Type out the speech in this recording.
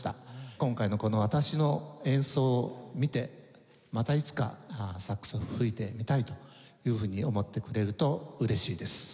今回のこの私の演奏を見てまたいつかサックスを吹いてみたいというふうに思ってくれると嬉しいです。